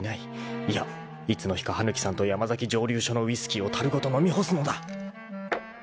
いや！いつの日か羽貫さんと山崎蒸留所のウイスキーをたるごと飲み干すのだ！